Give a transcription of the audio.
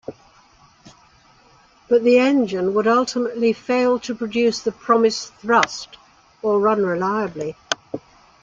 But the engine would ultimately fail to produce the promised thrust or run reliably.